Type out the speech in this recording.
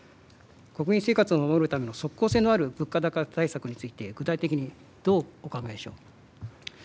国民生活を守るための速効性のある物価高対策について具体的にどうお考えでしょう。